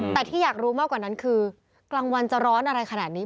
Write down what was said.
แต่ที่อยากรู้มากกว่านั้นคือกลางวันจะร้อนอะไรขนาดนี้